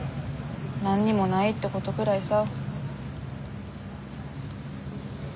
何にもないってことくらいさ。